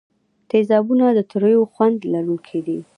تیزابونه د تریو خوند لرونکي دي.